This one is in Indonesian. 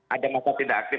ada masa tidak aktif